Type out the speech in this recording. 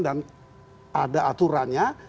dan ada aturannya